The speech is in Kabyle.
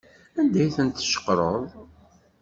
Anda ay tent-tceqreḍ?